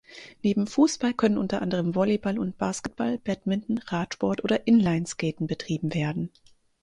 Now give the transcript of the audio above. Neben Fußball können unter anderem Volleyball und Basketball, Badminton, Radsport oder Inlineskaten betrieben werden.